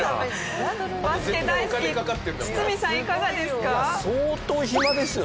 バスケ大好き堤さんいかがですか？